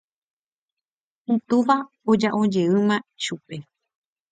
Itúva oja'ojeýma chupe.